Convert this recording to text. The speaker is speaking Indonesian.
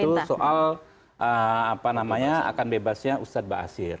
yaitu soal apa namanya akan bebasnya ustadz basir